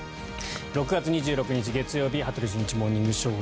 ６月２６日、月曜日「羽鳥慎一モーニングショー」。